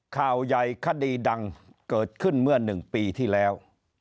ข่าวยัยคดีดังเกิดขึ้นเมื่อหนึ่งปีที่แล้ว